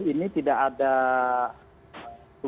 yang inisiatif dari pemerintah kabupaten dan pemerintah